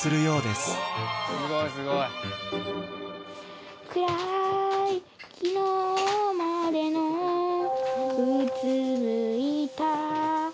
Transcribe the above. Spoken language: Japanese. すごいすごい「ｃｒｙ昨日までのうつむいた」